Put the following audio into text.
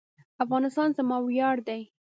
افغانستان زما ویاړ دی؟